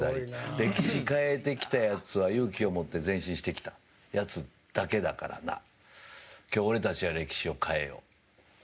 歴史変えてきたやつは勇気を持って前進してきたやつだけだからな今日、俺たちは歴史を変えよう。